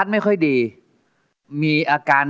สวัสดีครับ